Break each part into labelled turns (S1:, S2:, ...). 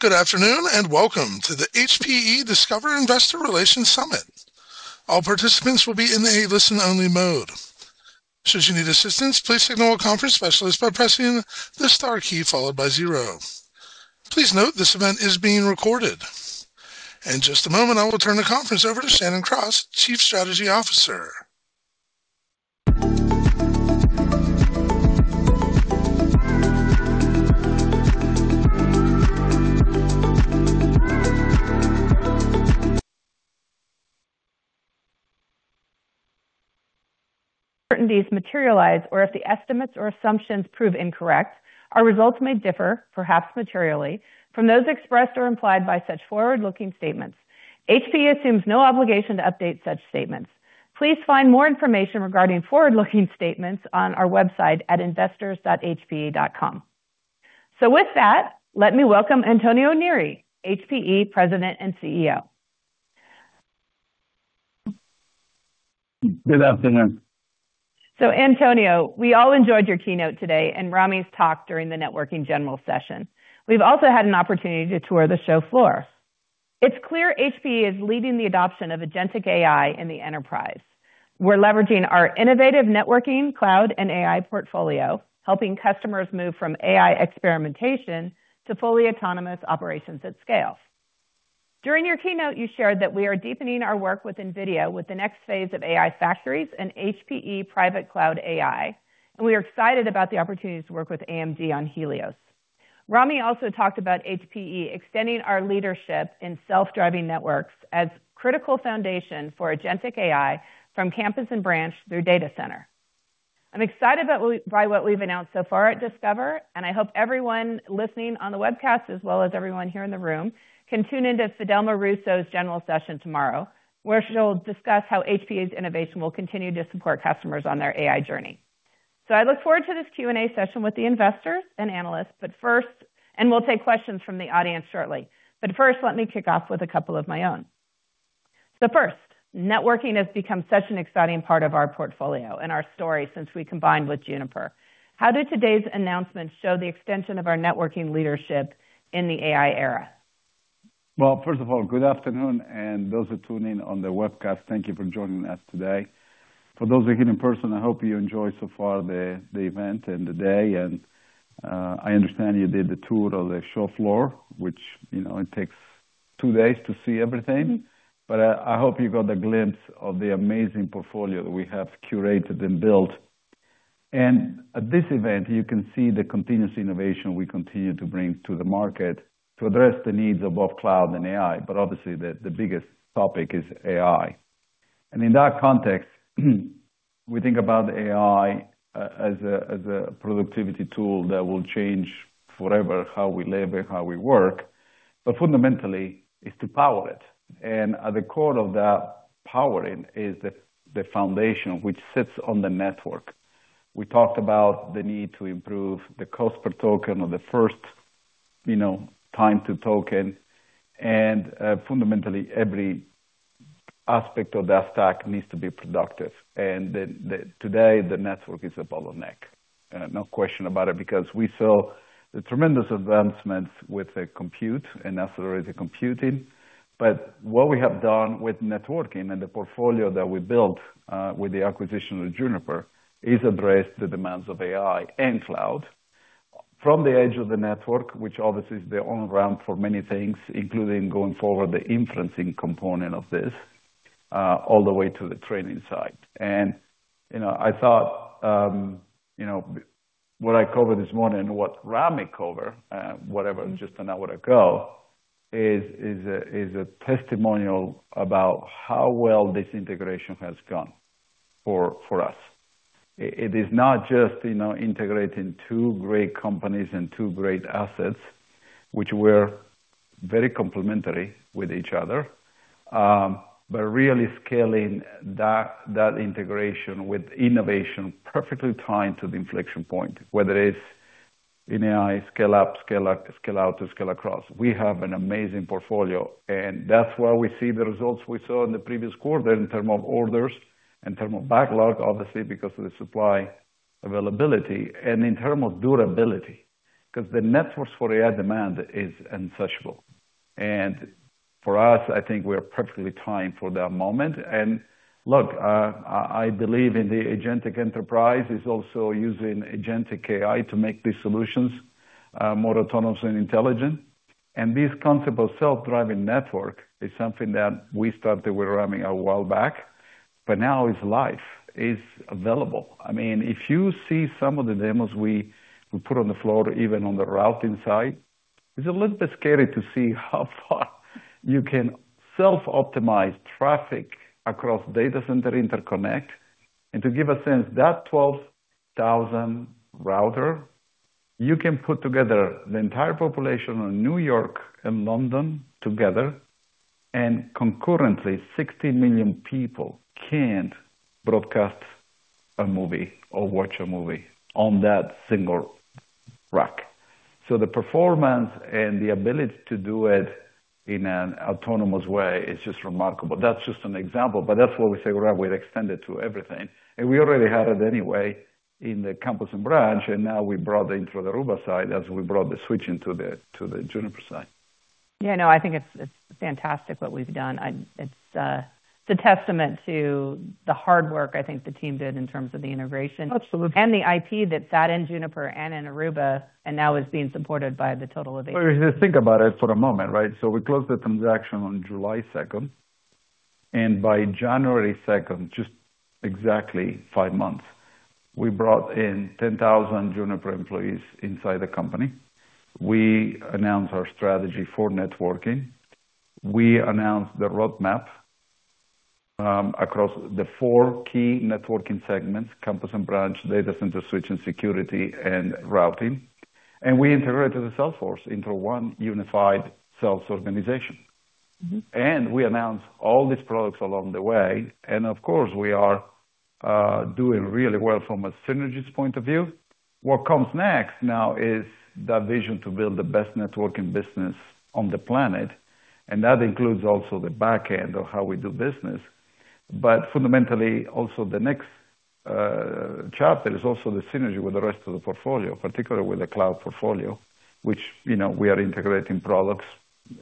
S1: Good afternoon. Welcome to the HPE Discover Investor Relations Summit. All participants will be in a listen-only mode. Should you need assistance, please signal a conference specialist by pressing the star key, followed by zero. Please note this event is being recorded. In just a moment, I will turn the conference over to Shannon Cross, Chief Strategy Officer.
S2: Certainties materialize or if the estimates or assumptions prove incorrect, our results may differ, perhaps materially, from those expressed or implied by such forward-looking statements. HPE assumes no obligation to update such statements. Please find more information regarding forward-looking statements on our website at investors.hpe.com. With that, let me welcome Antonio Neri, HPE President and CEO.
S3: Good afternoon.
S2: Antonio, we all enjoyed your keynote today and Rami's talk during the networking general session. We've also had an opportunity to tour the show floor. It's clear HPE is leading the adoption of agentic AI in the enterprise. We're leveraging our innovative networking cloud and AI portfolio, helping customers move from AI experimentation to fully autonomous operations at scale. During your keynote, you shared that we are deepening our work with NVIDIA with the next phase of AI factories and HPE Private Cloud AI. We are excited about the opportunity to work with AMD on Helios. Rami also talked about HPE extending our leadership in self-driving networks as critical foundation for agentic AI from campus and branch through data center. I'm excited by what we've announced so far at Discover, and I hope everyone listening on the webcast, as well as everyone here in the room, can tune into Fidelma Russo's general session tomorrow, where she'll discuss how HPE's innovation will continue to support customers on their AI journey. I look forward to this Q&A session with the investors and analysts, and we'll take questions from the audience shortly. First, let me kick off with a couple of my own. First, networking has become such an exciting part of our portfolio and our story since we combined with Juniper. How do today's announcements show the extension of our networking leadership in the AI era?
S3: First of all, good afternoon, and those who are tuned in on the webcast, thank you for joining us today. For those here in person, I hope you enjoy so far the event and the day. I understand you did the tour of the show floor, which it takes two days to see everything. I hope you got a glimpse of the amazing portfolio that we have curated and built. At this event, you can see the continuous innovation we continue to bring to the market to address the needs of both cloud and AI. Obviously, the biggest topic is AI. In that context, we think about AI as a productivity tool that will change forever how we live and how we work, but fundamentally is to power it. At the core of that powering is the foundation which sits on the network. We talked about the need to improve the cost per token or the first time to token, and fundamentally every aspect of that stack needs to be productive. Today the network is a bottleneck, no question about it, because we saw the tremendous advancements with the compute and accelerated computing. What we have done with networking and the portfolio that we built with the acquisition of Juniper is address the demands of AI and cloud from the edge of the network, which obviously is the on-ramp for many things, including going forward, the inferencing component of this, all the way to the training side. I thought what I covered this morning and what Rami covered whatever, just an hour ago, is a testimonial about how well this integration has gone for us. It is not just integrating two great companies and two great assets, which were very complementary with each other, but really scaling that integration with innovation perfectly timed to the inflection point. Whether it's in AI, scale up, scale out, or scale across. We have an amazing portfolio, and that's why we see the results we saw in the previous quarter in terms of orders, in terms of backlog, obviously because of the supply availability, and in terms of durability, because the network for AI demand is insatiable. For us, I think we are perfectly timed for that moment. Look, I believe in the agentic enterprise is also using agentic AI to make these solutions more autonomous and intelligent. This concept of self-driving network is something that we started with Rami a while back, but now it's live. It's available. If you see some of the demos we put on the floor, even on the routing side, it's a little bit scary to see how far you can self-optimize traffic across data center interconnect. To give a sense, that 12,000 router, you can put together the entire population of New York and London together, and concurrently 60 million people can't broadcast a movie or watch a movie on that single rack. The performance and the ability to do it in an autonomous way, it's just remarkable. That's just an example, that's why we say, well, we'll extend it to everything. We already had it anyway in the campus and branch, and now we brought it in through the Aruba side as we brought the switching to the Juniper side.
S2: I think it's fantastic what we've done. It's a testament to the hard work I think the team did in terms of the integration.
S3: Absolutely.
S2: The IT that sat in Juniper and in Aruba and now is being supported by the total of HPE.
S3: If you think about it for a moment, right? We closed the transaction on July 2nd. By January 2nd, just exactly five months, we brought in 10,000 Juniper employees inside the company. We announced our strategy for networking. We announced the roadmap, across the four key networking segments, campus and branch, data center, switch and security, and routing. We integrated the sales force into one unified sales organization. We announced all these products along the way. Of course, we are doing really well from a synergies point of view. What comes next now is that vision to build the best networking business on the planet, and that includes also the back end of how we do business. Fundamentally, also the next chapter is also the synergy with the rest of the portfolio, particularly with the cloud portfolio. Which we are integrating products,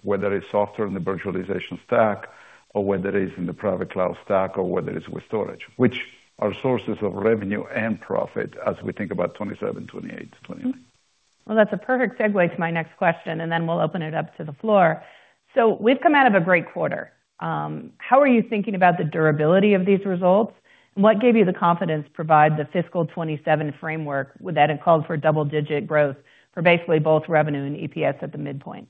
S3: whether it's software in the virtualization stack or whether it's in the private cloud stack or whether it's with storage. Which are sources of revenue and profit as we think about 2027, 2028-2029.
S2: Well, that's a perfect segue to my next question, and then we'll open it up to the floor. We've come out of a great quarter. How are you thinking about the durability of these results? What gave you the confidence to provide the fiscal 2027 framework that had called for double-digit growth for basically both revenue and EPS at the midpoint?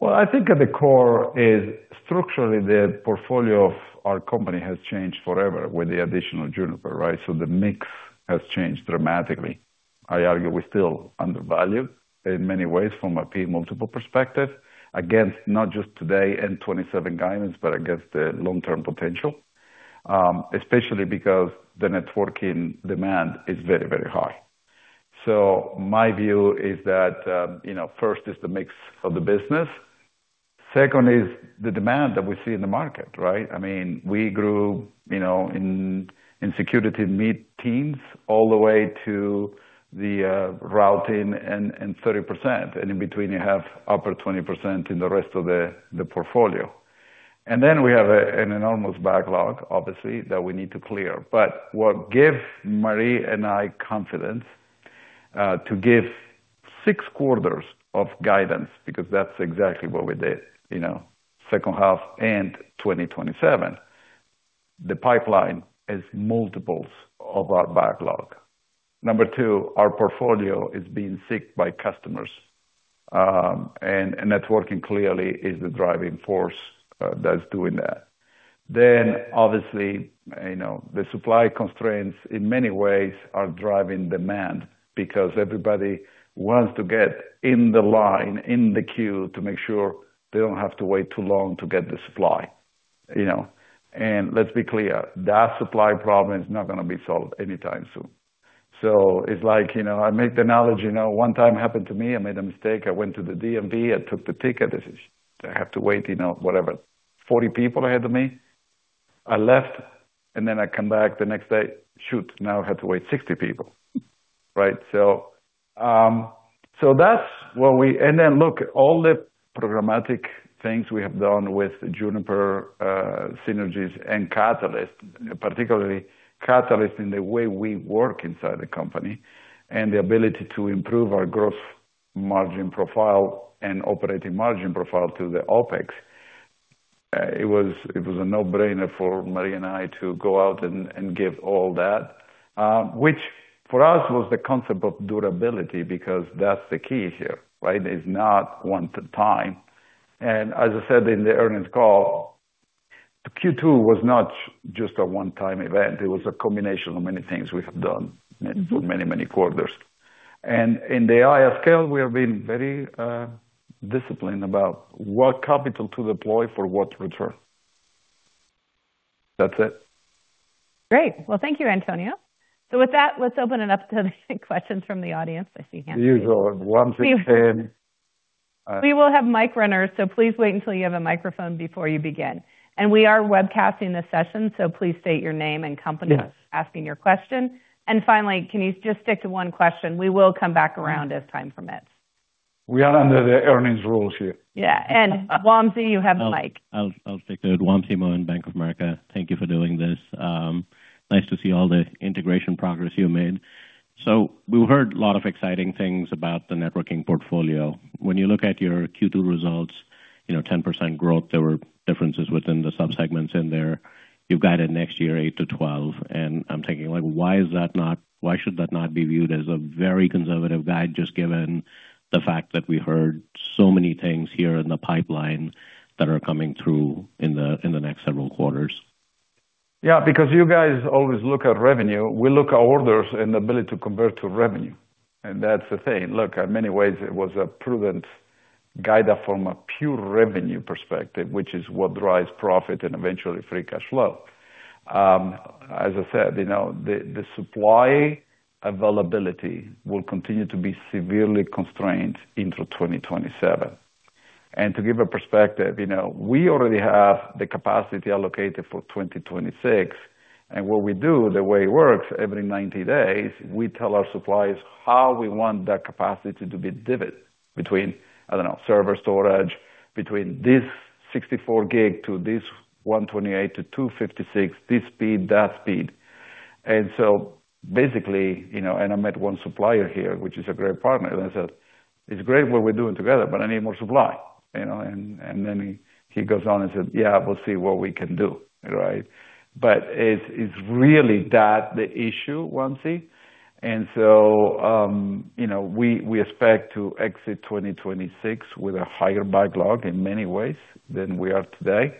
S3: I think at the core is structurally, the portfolio of our company has changed forever with the addition of Juniper, right? The mix has changed dramatically. I argue we're still undervalued in many ways from a P/E multiple perspective against not just today 2027 guidance, but against the long-term potential. Especially because the networking demand is very, very high. My view is that, first is the mix of the business. Second is the demand that we see in the market, right? We grew in security mid-teens all the way to the routing and 30%, and in between you have upper 20% in the rest of the portfolio. We have an enormous backlog, obviously, that we need to clear. What give Marie and I confidence to give six quarters of guidance, because that's exactly what we did, second half and 2027. The pipeline is multiples of our backlog. Number two, our portfolio is being seeked by customers. Networking clearly is the driving force that's doing that. Obviously, the supply constraints in many ways are driving demand because everybody wants to get in the line, in the queue to make sure they don't have to wait too long to get the supply. Let's be clear. That supply problem is not going to be solved anytime soon. It's like I make the analogy, one time happened to me, I made a mistake. I went to the DMV. I took the ticket. I have to wait, whatever, 40 people ahead of me. I left, and then I come back the next day. Shoot, now I have to wait 60 people. Right? Look all the programmatic things we have done with Juniper synergies and Catalyst, particularly Catalyst in the way we work inside the company and the ability to improve our gross margin profile and operating margin profile to the OpEx. It was a no-brainer for Marie and I to go out and give all that. Which for us was the concept of durability because that's the key here, right? It's not one-time. As I said in the earnings call, Q2 was not just a one-time event. It was a combination of many things we have done for many, many quarters. In the ISL, we have been very disciplined about what capital to deploy for what return. That's it.
S2: Great. Well, thank you, Antonio. With that, let's open it up to the questions from the audience. I see hands.
S3: These are 115-
S2: We will have mic runners, so please wait until you have a microphone before you begin. We are webcasting this session, so please state your name and company as you're asking your question. Finally, can you just stick to one question? We will come back around as time permits.
S3: We are under the earnings rules here.
S2: Yeah. Wamsi, you have the mic.
S4: I'll stick to it. Wamsi Mohan, Bank of America. Thank you for doing this. Nice to see all the integration progress you made. We heard a lot of exciting things about the networking portfolio. When you look at your Q2 results, 10% growth, there were differences within the subsegments in there. You've guided next year 8%-12%, I'm thinking, like, why should that not be viewed as a very conservative guide, just given the fact that we heard so many things here in the pipeline that are coming through in the next several quarters?
S3: Yeah, because you guys always look at revenue. We look at orders and ability to convert to revenue. That's the thing. Look, in many ways, it was a prudent guide up from a pure revenue perspective, which is what drives profit and eventually free cash flow. As I said, the supply availability will continue to be severely constrained into 2027. To give a perspective, we already have the capacity allocated for 2026. What we do, the way it works, every 90 days, we tell our suppliers how we want that capacity to be divvied between, I don't know, server storage, between this 64 GB to this 128 GB to 256 GB, this speed, that speed. I met one supplier here, which is a great partner, I said, "It's great what we're doing together, but I need more supply." Then he goes on and says, "Yeah, we'll see what we can do." Right. It's really that the issue, Wamsi. We expect to exit 2026 with a higher backlog in many ways than we are today.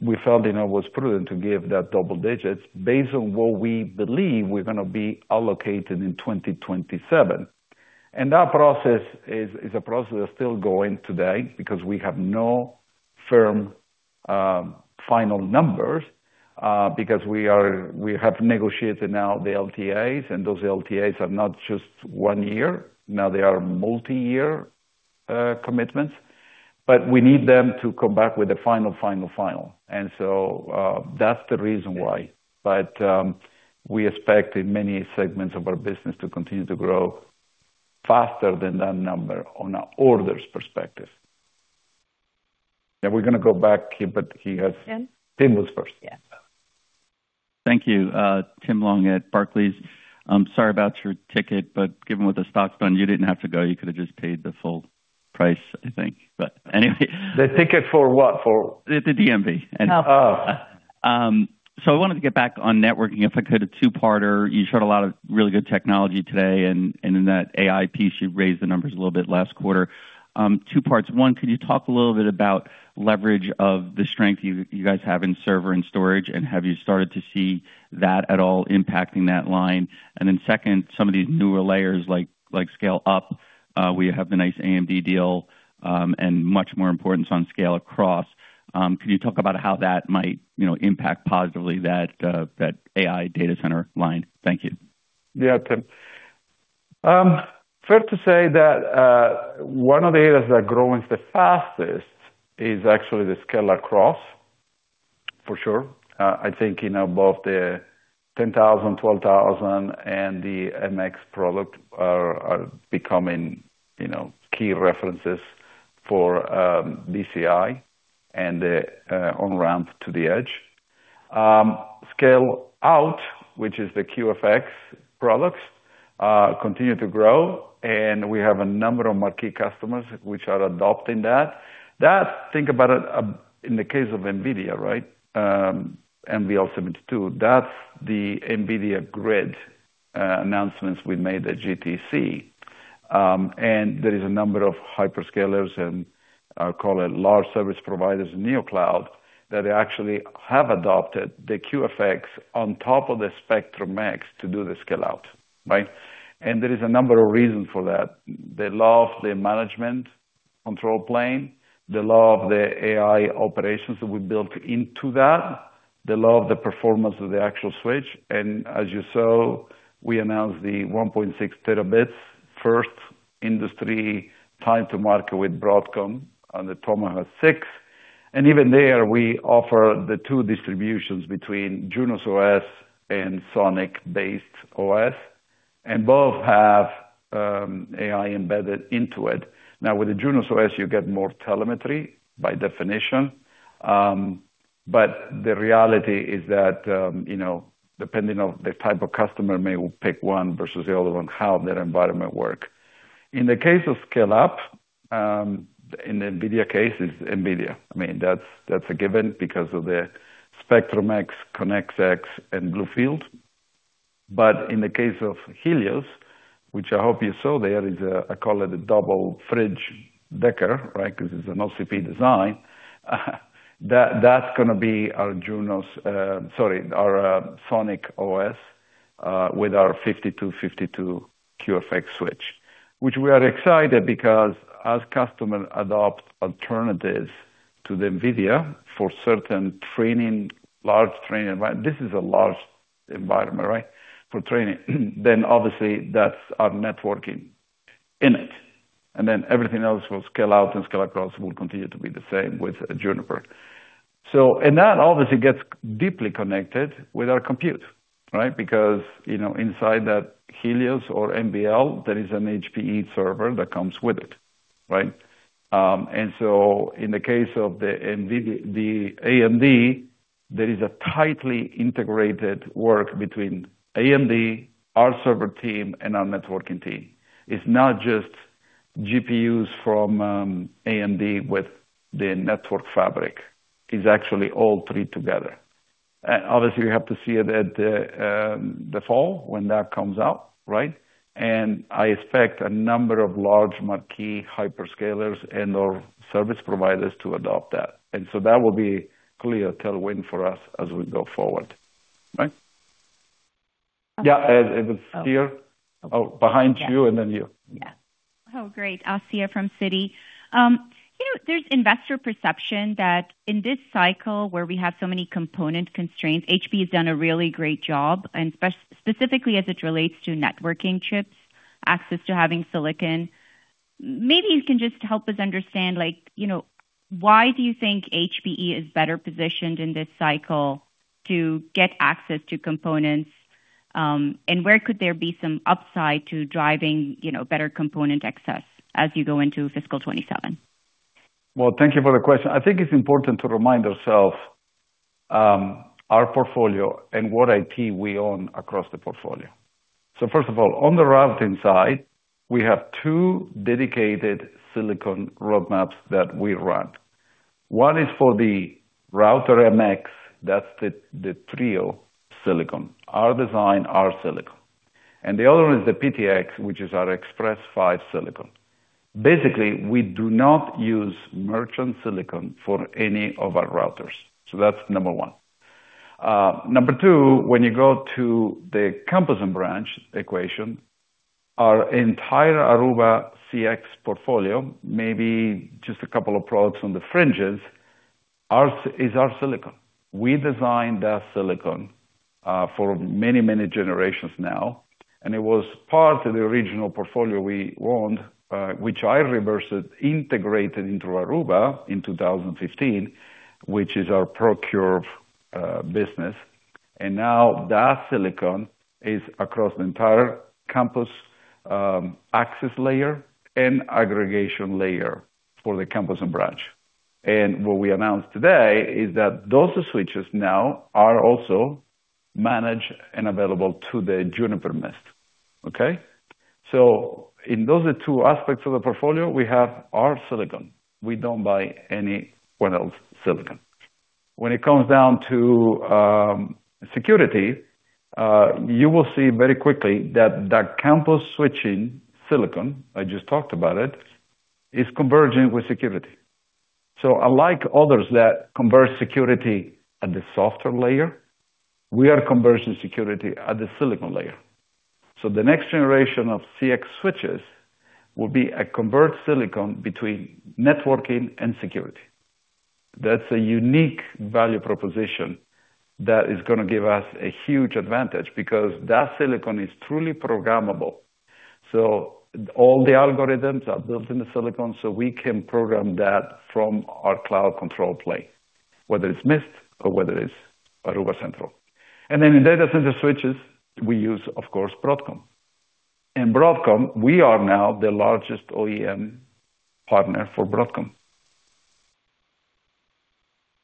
S3: We felt it was prudent to give that double digits based on what we believe we're going to be allocated in 2027. That process is a process that's still going today because we have no firm final numbers, because we have negotiated now the LTAs, those LTAs are not just one year. Now they are multi-year commitments. We need them to come back with the final. That's the reason why. We expect in many segments of our business to continue to grow faster than that number on an orders perspective. Yeah, we're going to go back.
S2: Tim?
S3: Tim was first. Yeah.
S5: Thank you. Tim Long at Barclays. Sorry about your ticket, but given what the stock's done, you didn't have to go. You could have just paid the full price, I think. Anyway.
S3: The ticket for what?
S5: The DMV.
S3: Oh. Oh.
S5: I wanted to get back on networking if I could, a two-parter. You showed a lot of really good technology today, in that AI piece, you raised the numbers a little bit last quarter. Two parts. One, could you talk a little bit about leverage of the strength you guys have in server and storage, and have you started to see that at all impacting that line? Second, some of these newer layers like scale up, where you have the nice AMD deal, and much more importance on scale across. Can you talk about how that might impact positively that AI data center line? Thank you.
S3: Yeah, Tim. Fair to say that one of the areas that are growing the fastest is actually the scale across, for sure. I think in above the 10,000, 12,000 and the MX product are becoming key references for DCI and on-ramp to the edge. Scale out, which is the QFX products, continue to grow, and we have a number of marquee customers which are adopting that. That, think about it in the case of NVIDIA, right? NVL72. That's the NVIDIA GRID announcements we made at GTC. There is a number of hyperscalers and I'll call it large service providers in neocloud that actually have adopted the QFX on top of the Spectrum-X to do the scale out, right? There is a number of reasons for that. They love the management control plane. They love the AI operations that we built into that. They love the performance of the actual switch. As you saw, we announced the 1.6 Tb first industry time to market with Broadcom on the Tomahawk 6. Even there, we offer the two distributions between Junos OS and SONiC-based OS, and both have AI embedded into it. With the Junos OS, you get more telemetry by definition. The reality is that, depending on the type of customer may pick one versus the other one, how their environment work. In the case of scale up, in the NVIDIA case, it's NVIDIA. That's a given because of the Spectrum-X, ConnectX and BlueField. In the case of Helios, which I hope you saw there, is I call it a double fridge decker. It's an OCP design. That's going to be our SONiC OS, with our 52/52 QFX switch, which we are excited because as customers adopt alternatives to the NVIDIA for certain training, large training environment, this is a large environment for training, obviously that's our networking in it. Everything else will scale out and scale across, will continue to be the same with Juniper. That obviously gets deeply connected with our compute. Inside that Helios or NVL, there is an HPE server that comes with it. Right? In the case of the AMD, there is a tightly integrated work between AMD, our server team, and our networking team. It's not just GPUs from AMD with the network fabric. It's actually all three together. Obviously, you have to see it at the fall when that comes out, right? I expect a number of large marquee hyperscalers and/or service providers to adopt that. That will be clear tailwind for us as we go forward. Right? Yeah, Asiya. Oh, behind you, and then you.
S6: Great. Asiya from Citi. There's investor perception that in this cycle where we have so many component constraints, HPE has done a really great job, and specifically as it relates to networking chips, access to having silicon. Maybe you can just help us understand, why do you think HPE is better positioned in this cycle to get access to components? Where could there be some upside to driving better component access as you go into FY 2027?
S3: Well, thank you for the question. I think it's important to remind ourselves, our portfolio and what IT we own across the portfolio. First of all, on the routing side, we have two dedicated silicon roadmaps that we run. One is for the router MX, that's the Trio silicon. Our design, our silicon. The other one is the PTX, which is our Express 5 silicon. Basically, we do not use merchant silicon for any of our routers. That's number one. Number two, when you go to the campus and branch equation, our entire HPE Aruba CX portfolio, maybe just a couple of products on the fringes, is our silicon. We designed that silicon for many, many generations now, and it was part of the original portfolio we owned, which I reversed it, integrated into Aruba in 2015, which is our ProCurve business. Now that silicon is across the entire campus access layer and aggregation layer for the campus and branch. What we announced today is that those switches now are also managed and available to the Juniper Mist. Okay? In those two aspects of the portfolio, we have our silicon. We don't buy anyone else's silicon. When it comes down to security, you will see very quickly that that campus switching silicon, I just talked about it, is converging with security. Unlike others that converge security at the software layer, we are converging security at the silicon layer. The next generation of CX switches will be a converged silicon between networking and security. That's a unique value proposition that is going to give us a huge advantage because that silicon is truly programmable. All the algorithms are built in the silicon, so we can program that from our cloud control plane, whether it's Mist or whether it's Aruba Central. Then in data center switches, we use, of course, Broadcom. Broadcom, we are now the largest OEM partner for Broadcom.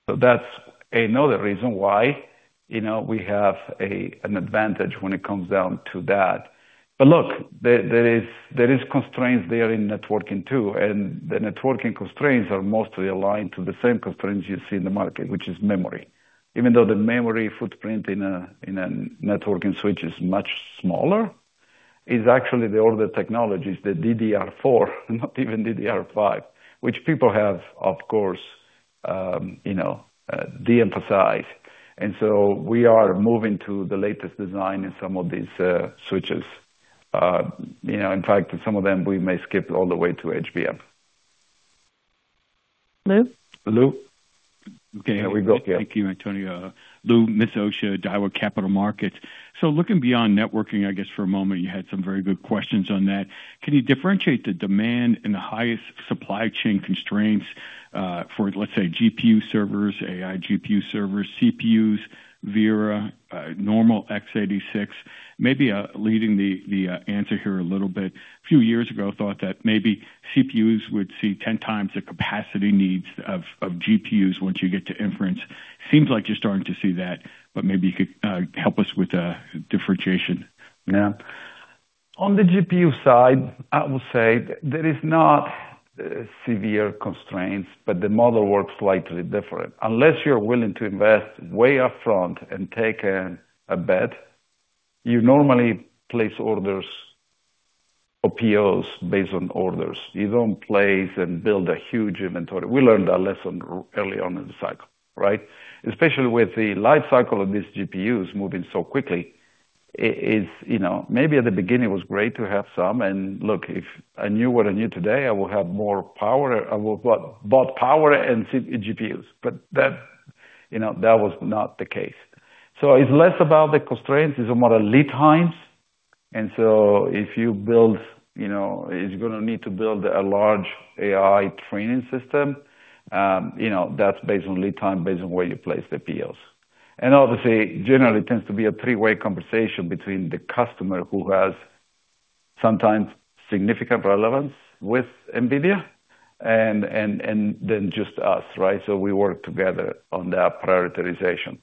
S3: That's another reason why we have an advantage when it comes down to that. Look, there is constraints there in networking too, and the networking constraints are mostly aligned to the same constraints you see in the market, which is memory. Even though the memory footprint in a networking switch is much smaller, it's actually the older technologies, the DDR4, not even DDR5, which people have, of course, de-emphasized. We are moving to the latest design in some of these switches. In fact, some of them, we may skip all the way to HBM.
S2: Lou?
S3: Lou?
S7: Okay.
S3: Yeah, we go here.
S7: Thank you, Antonio. Lou Miscioscia, Daiwa Capital Markets. Looking beyond networking, I guess, for a moment, you had some very good questions on that. Can you differentiate the demand and the highest supply chain constraints, for, let's say, GPU servers, AI GPU servers, CPUs, Vera, normal x86? Maybe, leading the answer here a little bit. Few years ago, thought that maybe CPUs would see 10 times the capacity needs of GPUs once you get to inference. Seems like you're starting to see that, maybe you could help us with differentiation.
S3: Yeah. On the GPU side, I would say there is not severe constraints, the model works slightly different. Unless you're willing to invest way up front and take a bet, you normally place orders or POs based on orders. You don't place and build a huge inventory. We learned our lesson early on in the cycle, right? Especially with the life cycle of these GPUs moving so quickly. Maybe at the beginning, it was great to have some, look, if I knew what I knew today, I would have bought power and GPUs. That was not the case. It's less about the constraints, it's more lead times. If you build, it's going to need to build a large AI training system, that's based on lead time, based on where you place the POs. Obviously, generally, it tends to be a three-way conversation between the customer who has sometimes significant relevance with NVIDIA and then just us, right? We work together on that prioritization.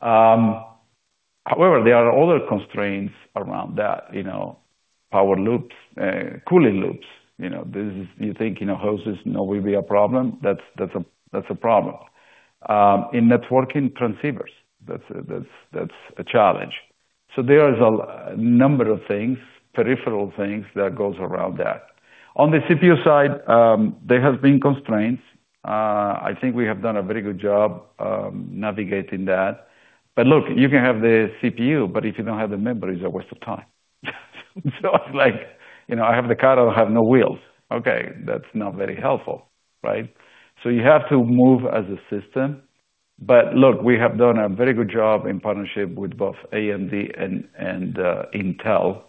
S3: However, there are other constraints around that. Power loops, cooling loops. You think hoses will be a problem? That's a problem. In networking transceivers, that's a challenge. There is a number of things, peripheral things that goes around that. On the CPU side, there have been constraints. I think we have done a very good job navigating that. Look, you can have the CPU, but if you don't have the memory, it's a waste of time. It's like, I have the car, I have no wheels. Okay, that's not very helpful, right? You have to move as a system. Look, we have done a very good job in partnership with both AMD and Intel,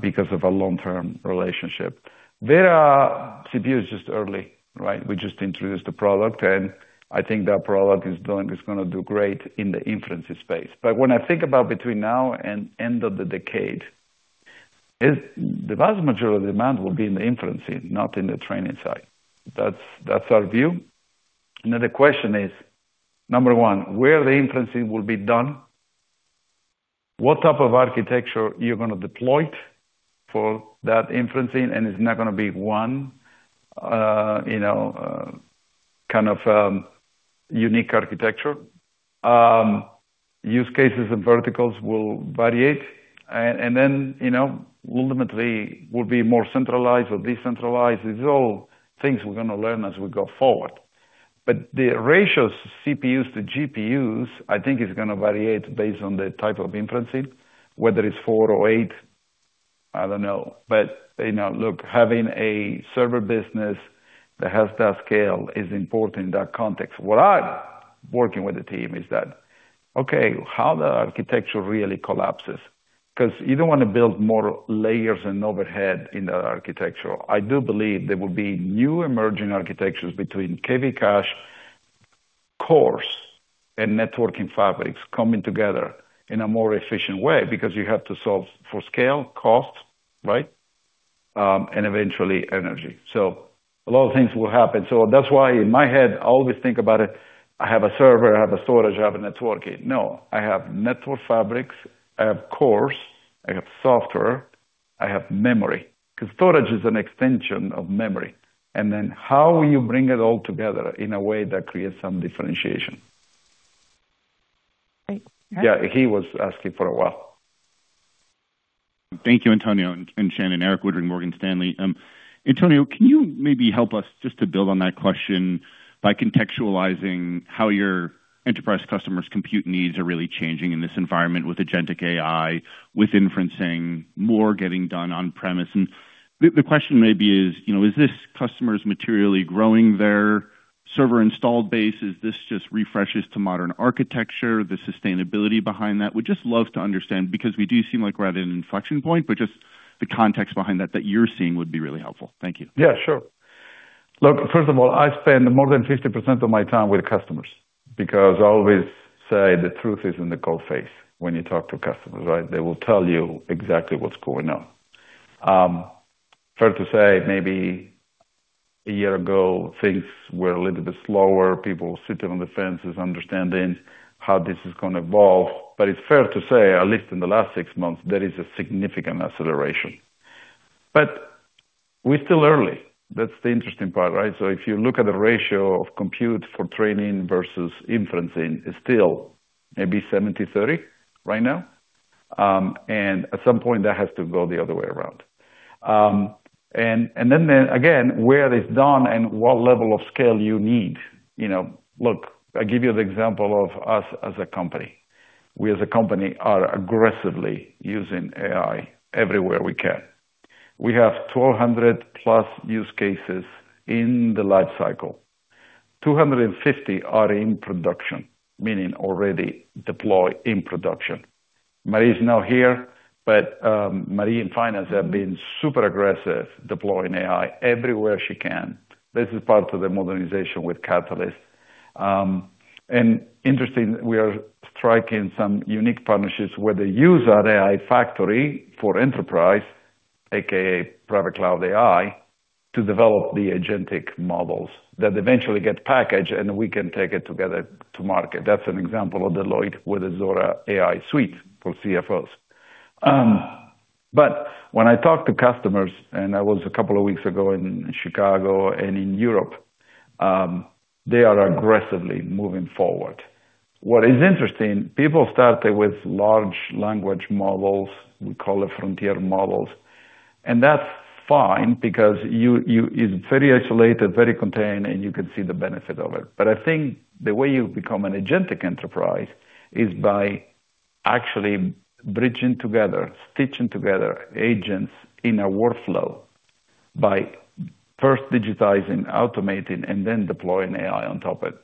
S3: because of a long-term relationship. Vera CPU is just early, right? We just introduced the product, I think that product is going to do great in the inferencing space. When I think about between now and end of the decade, the vast majority of demand will be in the inferencing, not in the training side. That's our view. Now the question is, number 1, where the inferencing will be done, what type of architecture you're going to deploy for that inferencing, it's not going to be one kind of unique architecture. Use cases and verticals will variate. Ultimately, will be more centralized or decentralized. These are all things we're going to learn as we go forward. The ratios, CPUs to GPUs, I think is going to variate based on the type of inferencing, whether it's four or eight, I don't know. Look, having a server business that has that scale is important in that context. What I'm working with the team is that, okay, how the architecture really collapses. You don't want to build more layers and overhead in that architecture. I do believe there will be new emerging architectures between KV cache, cores, and networking fabrics coming together in a more efficient way because you have to solve for scale, cost, right, and eventually energy. A lot of things will happen. That's why in my head, I always think about it, I have a server, I have a storage, I have a networking. No. I have network fabrics, I have cores, I have software, I have memory. Storage is an extension of memory. Then how you bring it all together in a way that creates some differentiation. Yeah, he was asking for a while.
S8: Thank you, Antonio and Shannon. Erik Woodring, Morgan Stanley. Antonio, can you maybe help us just to build on that question by contextualizing how your enterprise customers' compute needs are really changing in this environment with agentic AI, with inferencing, more getting done on-premise? The question maybe is this customer's materially growing their server installed base? Is this just refreshes to modern architecture, the sustainability behind that? Would just love to understand, because we do seem like we're at an inflection point, just the context behind that that you're seeing would be really helpful. Thank you.
S3: Yeah, sure. Look, first of all, I spend more than 50% of my time with customers because I always say the truth is in the coal face when you talk to customers, right? They will tell you exactly what's going on. Fair to say, maybe a year ago, things were a little bit slower. People were sitting on the fences understanding how this is going to evolve. It's fair to say, at least in the last 6 months, there is a significant acceleration. We're still early. That's the interesting part, right? If you look at the ratio of compute for training versus inferencing, it's still maybe 70/30 right now. At some point, that has to go the other way around. Then again, where it's done and what level of scale you need. Look, I give you the example of us as a company. We as a company are aggressively using AI everywhere we can. We have 1,200+ use cases in the life cycle. 250 are in production, meaning already deployed in production. Marie is not here, but Marie in finance have been super aggressive deploying AI everywhere she can. This is part of the modernization with Catalyst. Interesting, we are striking some unique partnerships where they use our AI factory for enterprise, AKA Private Cloud AI, to develop the agentic models that eventually get packaged, and we can take it together to market. That's an example of Deloitte with Zora AI suite for CFOs. When I talk to customers, and I was a couple of weeks ago in Chicago and in Europe, they are aggressively moving forward. What is interesting, people started with large language models, we call it frontier models, that's fine because it's very isolated, very contained, and you can see the benefit of it. I think the way you become an agentic enterprise is by actually bridging together, stitching together agents in a workflow by first digitizing, automating, then deploying AI on top it.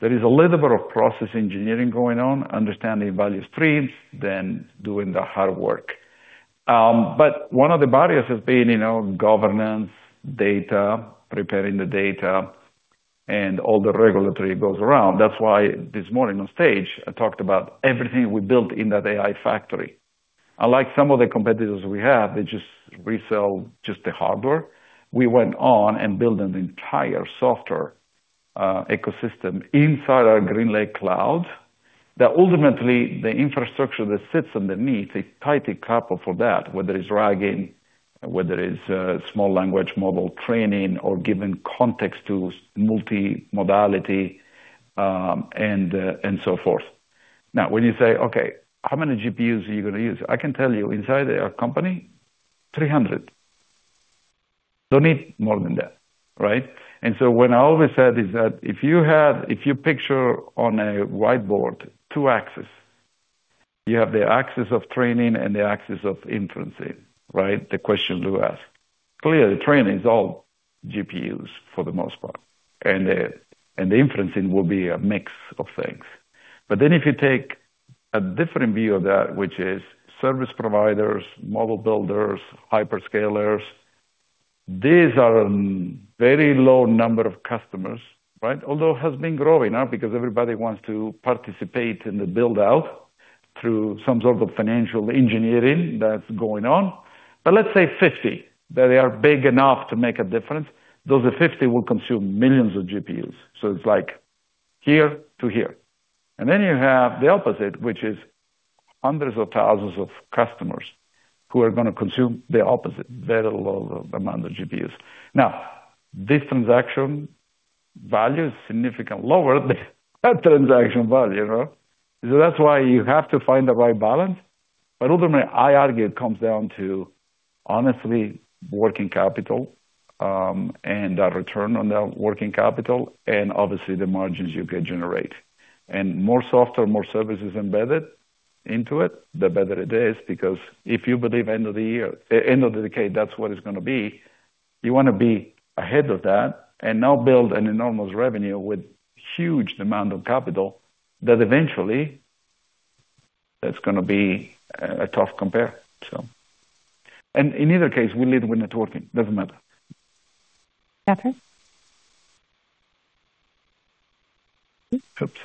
S3: There is a little bit of process engineering going on, understanding value streams, then doing the hard work. One of the barriers has been governance, data, preparing the data, and all the regulatory goes around. That's why this morning on stage, I talked about everything we built in that AI factory. Unlike some of the competitors we have, they just resell just the hardware. We went on and built an entire software ecosystem inside our GreenLake cloud that ultimately the infrastructure that sits underneath is tightly coupled for that, whether it's RAG, whether it's small language model training or giving context to multi-modality, and so forth. When you say, "Okay, how many GPUs are you going to use?" I can tell you inside our company, 300. Don't need more than that, right? What I always said is that if you picture on a whiteboard two axis You have the axis of training and the axis of inferencing, right? The question to ask. Clearly, training is all GPUs for the most part, and the inferencing will be a mix of things. If you take a different view of that, which is service providers, model builders, hyperscalers, these are very low number of customers, right? Although it has been growing now because everybody wants to participate in the build-out through some sort of financial engineering that's going on. Let's say 50, that they are big enough to make a difference. Those 50 will consume millions of GPUs. It's like here to here. You have the opposite, which is hundreds of thousands of customers who are going to consume the opposite, very low amount of GPUs. This transaction value is significantly lower than that transaction value. That's why you have to find the right balance. Ultimately, I argue it comes down to honestly working capital, and that return on that working capital, and obviously the margins you can generate. More software, more services embedded into it, the better it is because if you believe end of the decade, that's what it's going to be. You want to be ahead of that and now build an enormous revenue with huge amount of capital that eventually that's going to be a tough compare. In either case, we lead with networking. Doesn't matter.
S2: Katherine.
S3: Oops.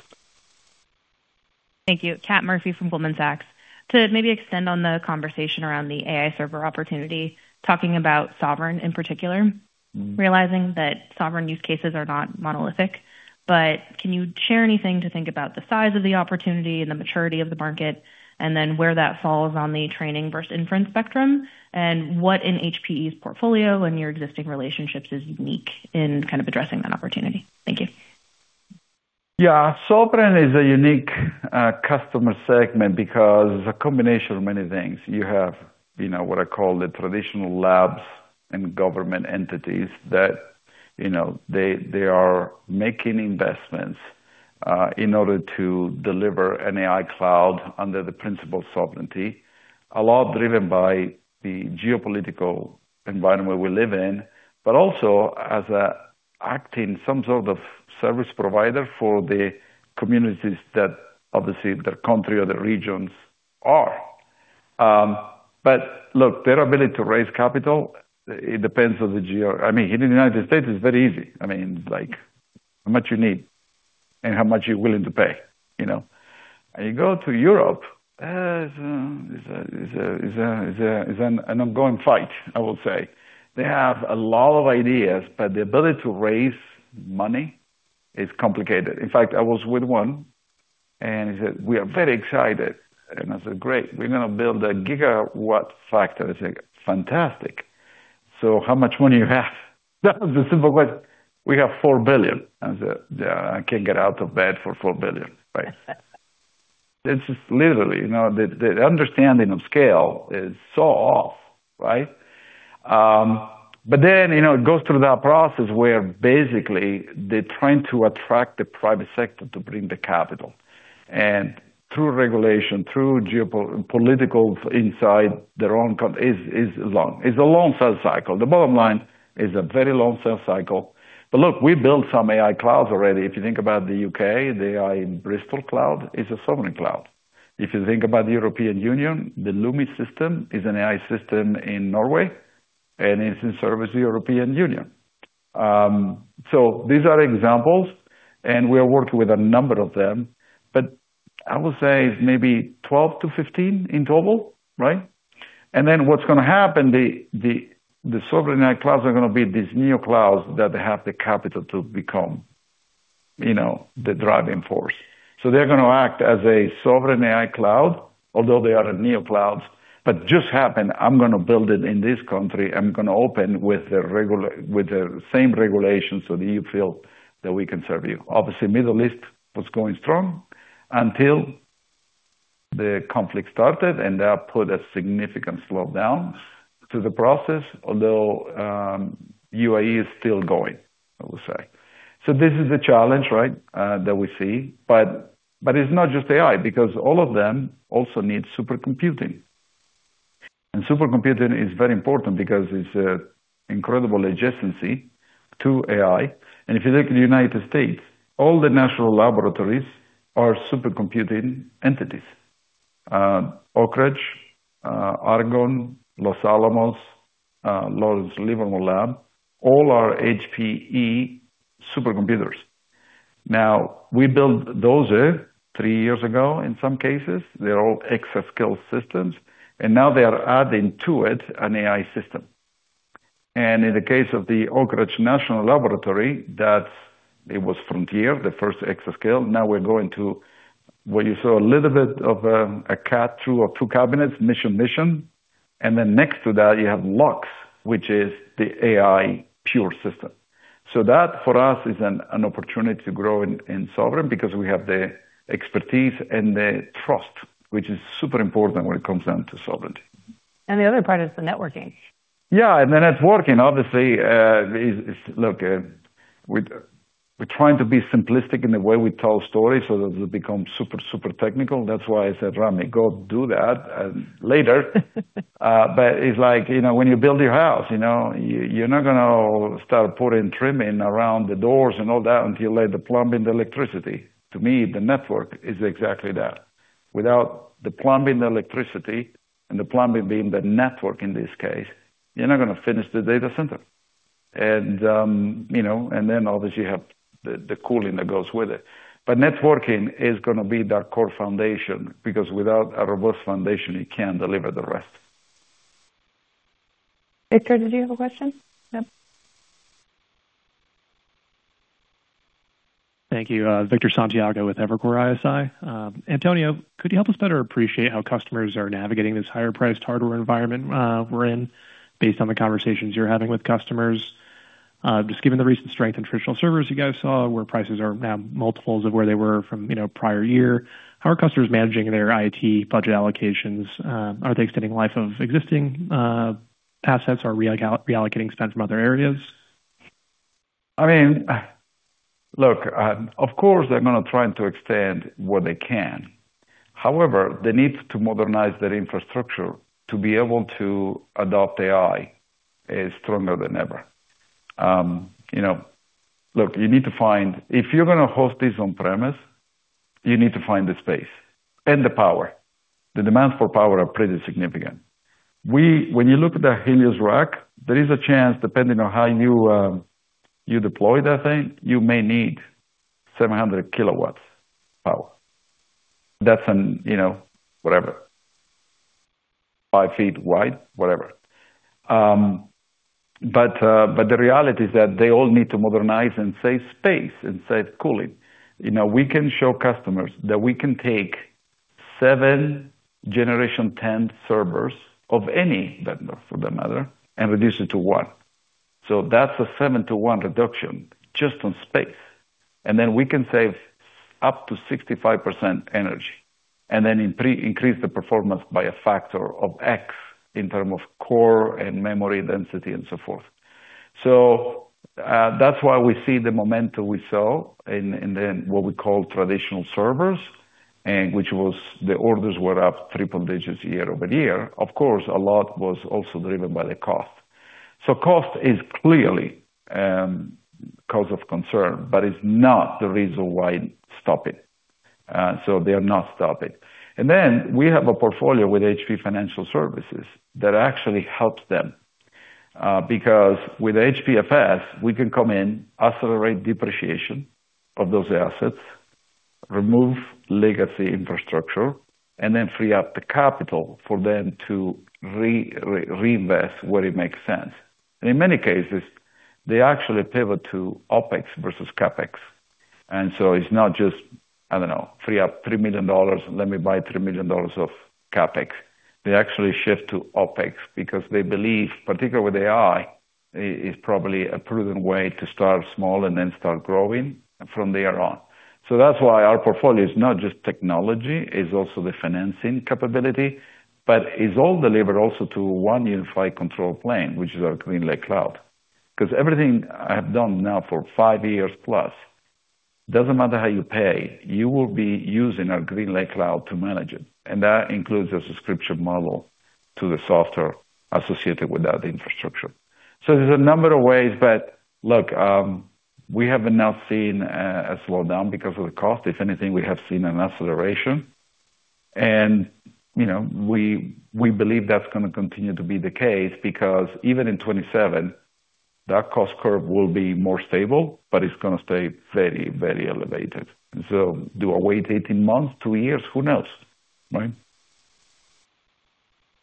S9: Thank you. Kat Murphy from Goldman Sachs. To maybe extend on the conversation around the AI server opportunity, talking about sovereign in particular. Realizing that sovereign use cases are not monolithic. Can you share anything to think about the size of the opportunity and the maturity of the market, and then where that falls on the training versus inference spectrum, and what in HPE's portfolio and your existing relationships is unique in kind of addressing that opportunity? Thank you.
S3: Yeah. Sovereign is a unique customer segment because it's a combination of many things. You have what I call the traditional labs and government entities that they are making investments in order to deliver an AI cloud under the principle of sovereignty, a lot driven by the geopolitical environment we live in, also as acting some sort of service provider for the communities that obviously their country or their regions are. Look, their ability to raise capital, it depends on the geo. In the United States, it's very easy. How much you need and how much you're willing to pay. You go to Europe, is an ongoing fight, I would say. They have a lot of ideas, but the ability to raise money is complicated. In fact, I was with one he said, "We are very excited." I said, "Great." "We're going to build a gigawatt factory." I said, "Fantastic. How much money you have?" That was the simple question. "We have $4 billion." I said, "Yeah, I can't get out of bed for $4 billion." Right? It's just literally, the understanding of scale is so off, right? It goes through that process where basically they're trying to attract the private sector to bring the capital. Through regulation, through geopolitical insight, their own country is long. It's a long sales cycle. The bottom line is a very long sales cycle. Look, we built some AI clouds already. If you think about the U.K., the AI in Bristol cloud is a sovereign cloud. If you think about the European Union, the LUMI system is an AI system in Norway, it's in service of the European Union. These are examples, we are working with a number of them. I would say it's maybe 12 to 15 in total, right? What's going to happen, the sovereign AI clouds are going to be these neoclouds that have the capital to become the driving force. They're going to act as a sovereign AI cloud, although they are a neocloud, just happen, I'm going to build it in this country. I'm going to open with the same regulations so that you feel that we can serve you. Obviously, Middle East was going strong until the conflict started, that put a significant slowdown to the process, although, UAE is still going, I will say. This is the challenge, right? That we see. It's not just AI, because all of them also need supercomputing. Supercomputing is very important because it's an incredible adjacency to AI. If you look at the United States, all the national laboratories are supercomputing entities. Oak Ridge, Argonne, Los Alamos, Lawrence Livermore Lab, all are HPE supercomputers. Now, we built those three years ago, in some cases. They're all exascale systems. Now they are adding to it an AI system. In the case of the Oak Ridge National Laboratory, that it was Frontier, the first exascale. Now we're going to what you saw a little bit of a cat two or two cabinets, mission. Next to that, you have Lux, which is the AI Pure system. That for us is an opportunity to grow in sovereign because we have the expertise and the trust, which is super important when it comes down to sovereignty.
S2: The other part is the networking.
S3: The networking, obviously, look, we're trying to be simplistic in the way we tell stories so that it becomes super technical. That's why I said, "Rami, go do that later." It's like when you build your house, you're not going to start putting trimming around the doors and all that until you lay the plumbing and electricity. To me, the network is exactly that. Without the plumbing and electricity, and the plumbing being the network in this case, you're not going to finish the data center. Then obviously you have the cooling that goes with it. Networking is going to be that core foundation, because without a robust foundation, you can't deliver the rest.
S2: Victor, did you have a question? No.
S10: Thank you. Victor Santiago with Evercore ISI. Antonio, could you help us better appreciate how customers are navigating this higher-priced hardware environment we're in based on the conversations you're having with customers? Just given the recent strength in traditional servers you guys saw, where prices are now multiples of where they were from prior year, how are customers managing their IT budget allocations? Are they extending life of existing assets or reallocating spend from other areas?
S3: Look, of course, they're going to try to extend where they can. However, the need to modernize their infrastructure to be able to adopt AI is stronger than ever. Look, if you're going to host this on-premise, you need to find the space and the power. The demands for power are pretty significant. When you look at the Helios Rack, there is a chance, depending on how you deploy that thing, you may need 700 kW power. That's whatever, 5 ft wide, whatever. The reality is that they all need to modernize and save space and save cooling. We can show customers that we can take seven Generation 10 servers of any vendor for that matter, and reduce it to one. That's a seven to one reduction just on space. We can save up to 65% energy, then increase the performance by a factor of X in terms of core and memory density and so forth. That's why we see the momentum we saw in then what we call traditional servers, which was the orders were up triple digits year-over-year. Of course, a lot was also driven by the cost. Cost is clearly cause of concern, but it's not the reason why stop it. They are not stopping. Then we have a portfolio with HPFS that actually helps them. With HPFS, we can come in, accelerate depreciation of those assets, remove legacy infrastructure, then free up the capital for them to reinvest where it makes sense. In many cases, they actually pivot to OpEx versus CapEx. It's not just, I don't know, free up $3 million, let me buy $3 million of CapEx. They actually shift to OpEx because they believe, particularly with AI, it is probably a proven way to start small and then start growing from there on. That's why our portfolio is not just technology, it's also the financing capability. It's all delivered also to one unified control plane, which is our GreenLake cloud. Everything I have done now for 5 years-plus, doesn't matter how you pay, you will be using our GreenLake cloud to manage it. That includes a subscription model to the software associated with that infrastructure. There's a number of ways, look, we have not seen a slowdown because of the cost. If anything, we have seen an acceleration. We believe that's going to continue to be the case because even in 2027, that cost curve will be more stable, but it's going to stay very elevated. Do I wait 18 months, two years? Who knows, right?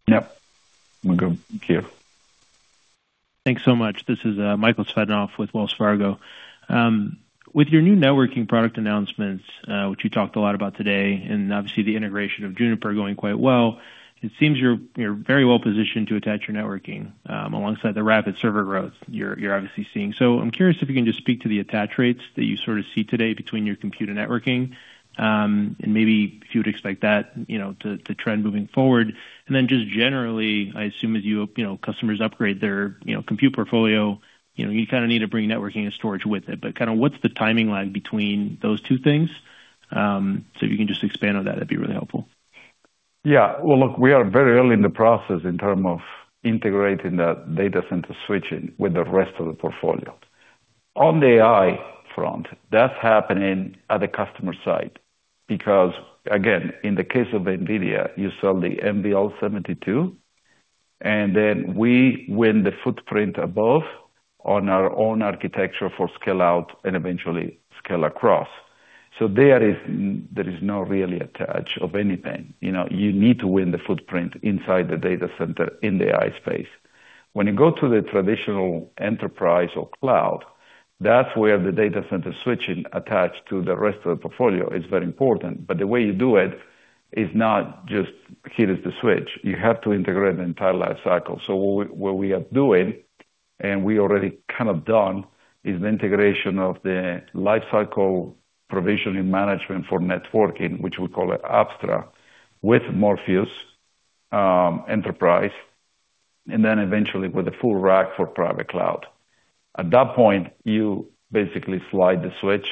S3: Yep. Michael.
S11: Thanks so much. This is Michael Tsvetanov with Wells Fargo. With your new networking product announcements, which you talked a lot about today, obviously the integration of Juniper going quite well, it seems you're very well positioned to attach your networking, alongside the rapid server growth you're obviously seeing. I'm curious if you can just speak to the attach rates that you sort of see today between your compute and networking, maybe if you would expect that to trend moving forward. Just generally, I assume as customers upgrade their compute portfolio, you kind of need to bring networking and storage with it. What's the timing lag between those two things? If you can just expand on that'd be really helpful.
S3: Well, look, we are very early in the process in term of integrating that data center switching with the rest of the portfolio. On the AI front, that's happening at the customer side. Because again, in the case of NVIDIA, you sell the NVL72, we win the footprint above on our own architecture for scale out and eventually scale across. There is no really attach of anything. You need to win the footprint inside the data center in the AI space. When you go to the traditional enterprise or cloud, that's where the data center switching attached to the rest of the portfolio is very important. The way you do it is not just here is the switch. You have to integrate the entire life cycle. What we are doing- we already kind of done is the integration of the lifecycle provisioning management for networking, which we call Apstra, with Morpheus Enterprise, eventually with the full rack for private cloud. At that point, you basically slide the switch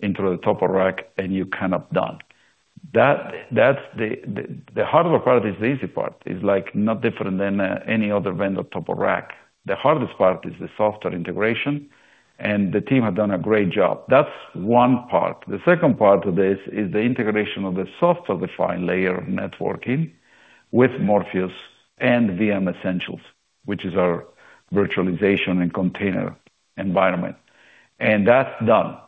S3: into the top of rack and you're kind of done. The hardware part is the easy part. It's not different than any other vendor top of rack. The hardest part is the software integration, and the team have done a great job. That's one part. The second part of this is the integration of the software-defined layer of networking with Morpheus and VM Essentials, which is our virtualization and container environment. That's done.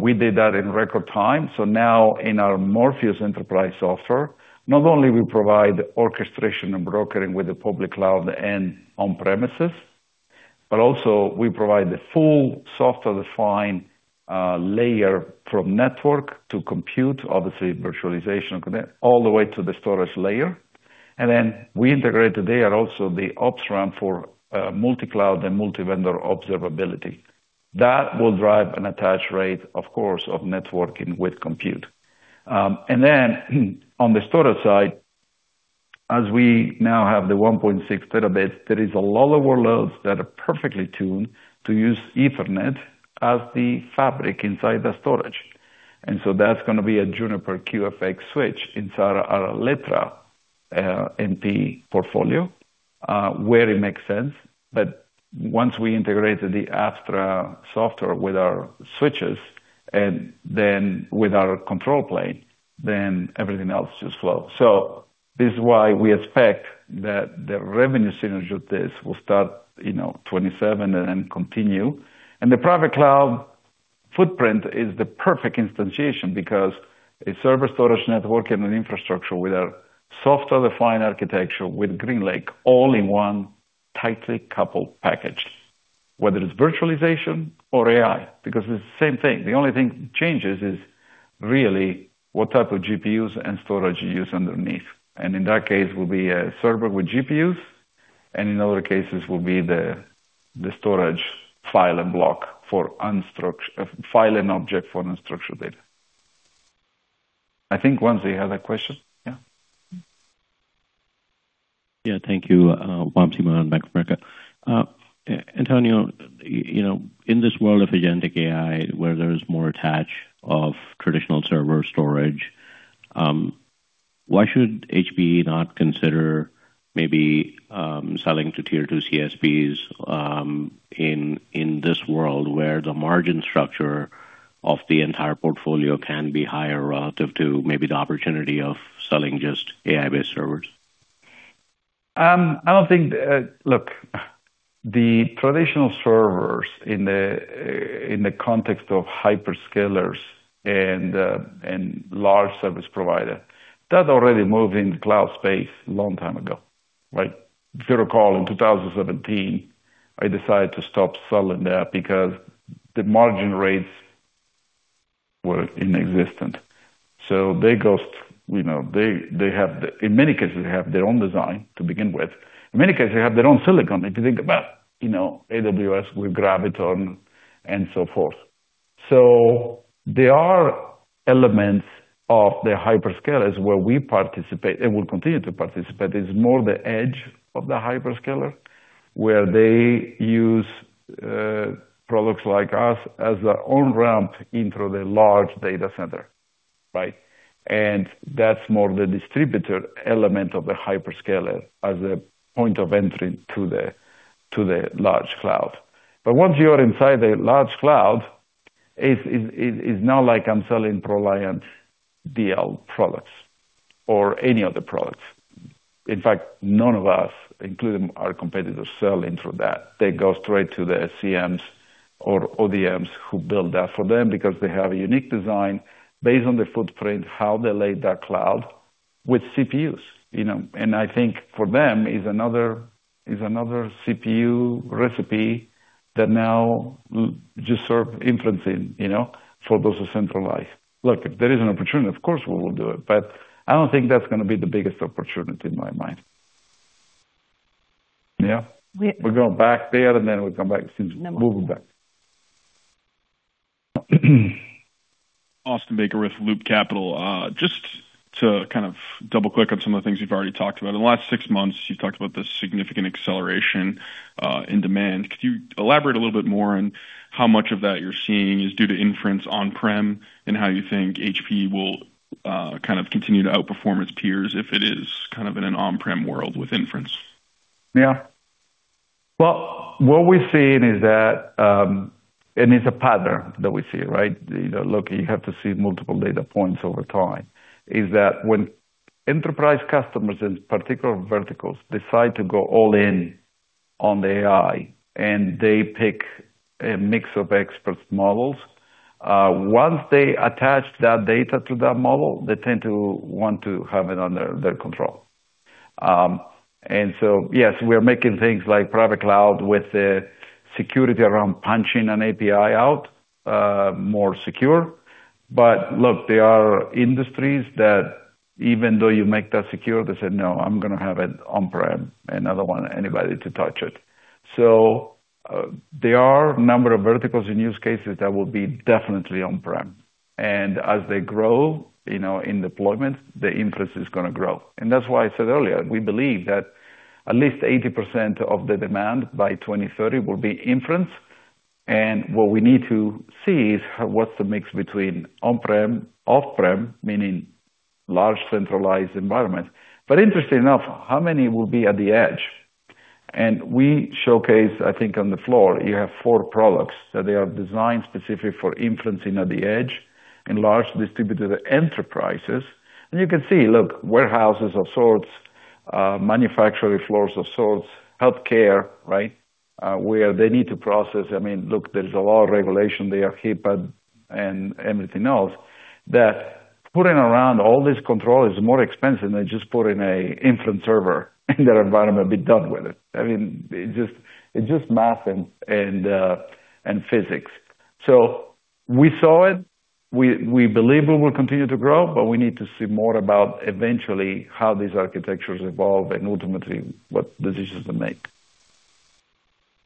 S3: We did that in record time. Now in our Morpheus Enterprise software, not only we provide orchestration and brokering with the public cloud and on-premises, but also we provide the full software-defined layer from network to compute, obviously virtualization, all the way to the storage layer. We integrated there also the OpsRamp for multi-cloud and multi-vendor observability. That will drive an attach rate, of course, of networking with compute. On the storage side, as we now have the 1.6 Tb, there is a lot of workloads that are perfectly tuned to use Ethernet as the fabric inside the storage. That's going to be a Juniper QFX switch inside our Alletra MP portfolio, where it makes sense. Once we integrated the Apstra software with our switches and with our control plane, everything else just flows. This is why we expect that the revenue synergy of this will start 2027 and continue. The private cloud footprint is the perfect instantiation because a server storage network and an infrastructure with a software-defined architecture with GreenLake all in one tightly coupled package, whether it's virtualization or AI, because it's the same thing. The only thing that changes is really what type of GPUs and storage you use underneath. In that case will be a server with GPUs, and in other cases will be the storage file and object for unstructured data. I think Wamsi, you had a question? Yeah.
S4: Yeah, thank you. Wamsi Mohan, Bank of America. Antonio, in this world of agentic AI, where there is more attach of traditional server storage, why should HPE not consider maybe selling to Tier 2 CSPs in this world where the margin structure of the entire portfolio can be higher relative to maybe the opportunity of selling just AI-based servers?
S3: Look, the traditional servers in the context of hyperscalers and large service provider, that already moved in the cloud space long time ago, right? If you recall, in 2017, I decided to stop selling that because the margin rates were inexistent. They, in many cases, have their own design to begin with. In many cases, they have their own silicon. If you think about AWS Graviton and so forth. There are elements of the hyperscalers where we participate and will continue to participate. It's more the edge of the hyperscaler, where they use products like us as their on-ramp into the large data center, right? That's more the distributor element of the hyperscaler as a point of entry to the large cloud. Once you are inside the large cloud, it's not like I'm selling ProLiant DL products or any other products. In fact, none of us, including our competitors, sell into that. They go straight to the CMs or ODMs who build that for them because they have a unique design based on the footprint, how they laid that cloud with CPUs. I think for them is another CPU recipe that now just serve inferencing for those who centralize. If there is an opportunity, of course, we will do it, but I don't think that's going to be the biggest opportunity in my mind. We're going back there, and then we'll come back. Moving back.
S12: Austin Baker with Loop Capital. Just to kind of double-click on some of the things you've already talked about. In the last six months, you've talked about the significant acceleration in demand. Could you elaborate a little bit more on how much of that you're seeing is due to inference on-prem, and how you think HPE will kind of continue to outperform its peers if it is kind of in an on-prem world with inference?
S3: What we're seeing is that, and it's a pattern that we see, right? You have to see multiple data points over time, when enterprise customers in particular verticals decide to go all in on the AI, and they pick a mix of expert's models. Once they attach that data to that model, they tend to want to have it under their control. Yes, we are making things like private cloud with the security around punching an API out more secure. There are industries that even though you make that secure, they said, "No, I'm going to have it on-prem, and I don't want anybody to touch it." There are number of verticals and use cases that will be definitely on-prem, and as they grow in deployment, the inference is going to grow. That's why I said earlier, we believe that at least 80% of the demand by 2030 will be inference. What we need to see is what's the mix between on-prem, off-prem, meaning large centralized environments. Interestingly enough, how many will be at the edge? We showcase, I think, on the floor, you have four products that they are designed specific for inferencing at the edge in large distributed enterprises. You can see, warehouses of sorts, manufacturing floors of sorts, healthcare where they need to process. There's a lot of regulation. They are HIPAA and everything else, that putting around all this control is more expensive than just putting an inference server in their environment and be done with it. It's just math and physics. We saw it. We believe it will continue to grow, but we need to see more about eventually how these architectures evolve and ultimately what decisions to make.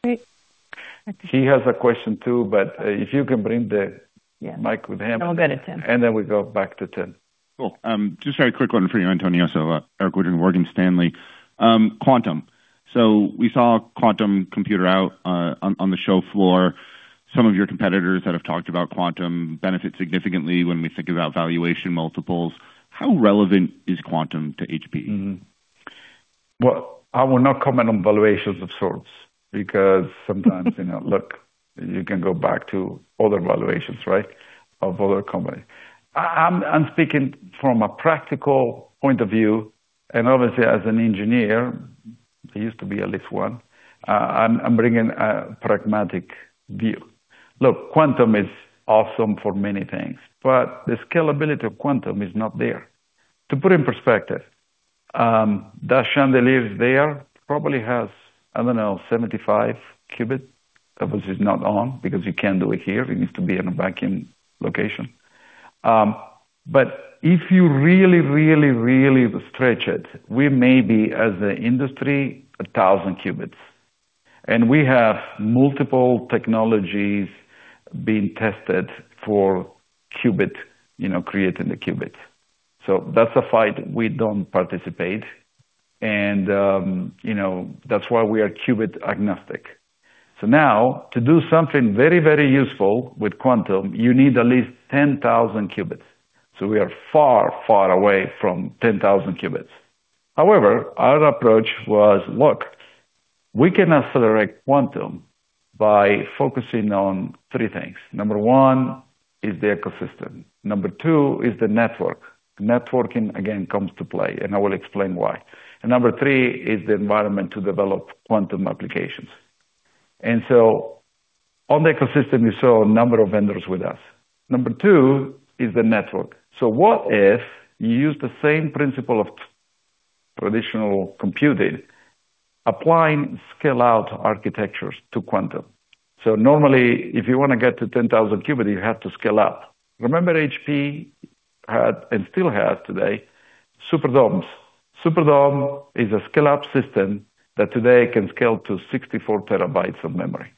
S3: Great. He has a question too, if you can bring the mic with him. I'll get it to him. We go back to Tim.
S8: Cool. Just very quick one for you, Antonio. Erik Woodring, Morgan Stanley. Quantum. We saw a quantum computer out on the show floor. Some of your competitors that have talked about quantum benefit significantly when we think about valuation multiples. How relevant is quantum to HPE?
S3: I will not comment on valuations of sorts because sometimes, look, you can go back to other valuations of other companies. I'm speaking from a practical point of view, and obviously as an engineer, I used to be at least one, I'm bringing a pragmatic view. Look, quantum is awesome for many things, but the scalability of quantum is not there. To put in perspective, that chandelier there probably has, I don't know, 75 qubits. Obviously, it's not on because you can't do it here. It needs to be in a vacuum location. If you really stretch it, we may be, as an industry, 1,000 qubits. We have multiple technologies being tested for creating the qubits. That's a fight we don't participate, and that's why we are qubit agnostic. Now to do something very useful with quantum, you need at least 10,000 qubits. We are far away from 10,000 qubits. However, our approach was, look, we can accelerate quantum by focusing on three things. Number one is the ecosystem. Number two is the network. Networking, again, comes to play, and I will explain why. Number three is the environment to develop quantum applications. On the ecosystem, you saw a number of vendors with us. Number two is the network. What if you use the same principle of traditional computing, applying scale-out architectures to quantum? Normally, if you want to get to 10,000 qubits, you have to scale up. Remember, HPE had, and still has today, Superdomes. Superdome is a scale-up system that today can scale to 64 TB of memory.